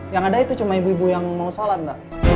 yang ada itu cuma ibu ibu yang mau sholat mbak